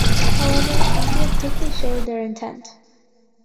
However, India quickly showed their intent.